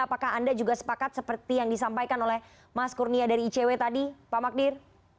apakah anda juga sepakat seperti yang disampaikan oleh mas kurnia dari icw tadi pak magdir